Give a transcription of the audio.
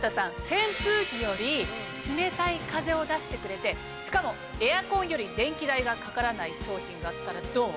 扇風機より冷たい風を出してくれてしかもエアコンより電気代がかからない商品があったらどう？